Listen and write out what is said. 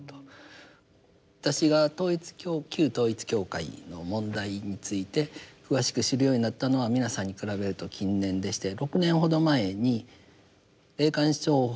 私が旧統一教会の問題について詳しく知るようになったのは皆さんに比べると近年でして６年ほど前に霊感商法対策